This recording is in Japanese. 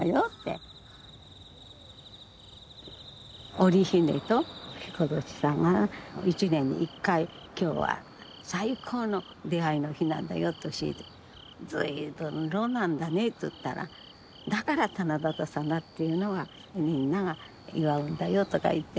「織り姫とひこ星様が一年に一回今日は最高の出会いの日なんだよ」って教えて「随分ロマンだね」つったら「だから七夕様っていうのはみんなが祝うんだよ」とか言ってね。